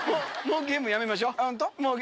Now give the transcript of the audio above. もうゲームやめましょう。